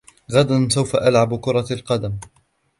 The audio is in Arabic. غدا سوف ألعب كرة القدم.